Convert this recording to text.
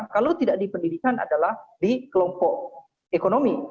kalau tidak di pendidikan adalah di kelompok ekonomi